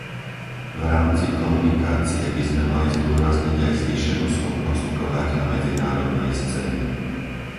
V rámci komunikácie by sme mali zdôrazniť aj zvýšenú schopnosť konať na medzinárodnej scéne.